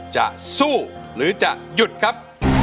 จะสู้หรือจะหยุดครับ